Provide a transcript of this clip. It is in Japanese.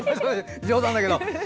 冗談だけど。